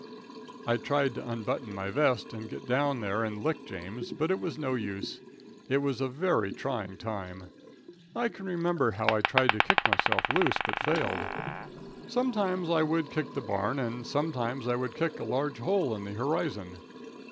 I tried to unbutton my vest and get down there and lick James, but it was of no use. It was a very trying time. I can remember how I tried to kick myself loose, but failed. Sometimes I would kick the barn and sometimes I would kick a large hole in the horizon.